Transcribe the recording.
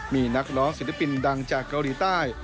มีนักร้องศิลปินดังจากเกาหลีใต้